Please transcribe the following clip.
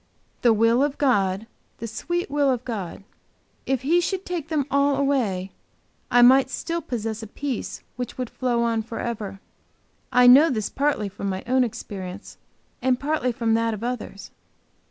The will of God, the sweet will of God. If He should take them all away, I might still possess a peace which would flow on forever. I know this partly from my own experience and partly from that of others.